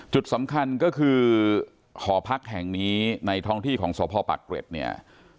จุดสำคัญก็คือหอพักแห่งนี้ในท้องที่ของสพปักเกร็ดเนี่ย